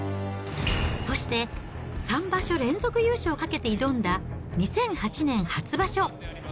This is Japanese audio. そして、３場所連続優勝をかけて挑んだ、２００８年初場所。